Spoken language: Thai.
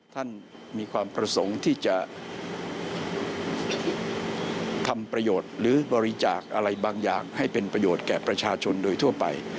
ท่านมีความประสงค์ที่จะทำประโยชน์หรือบริจาคอะไรบางอย่างให้เป็นประโยชน์แก่ประชาชนโดยทั่วไป